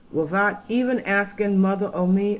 'Without even asking mother or me!